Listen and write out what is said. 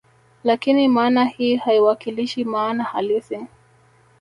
Lakini maana hii haiwakilishi maana halisi